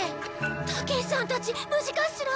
たけしさんたち無事かしら？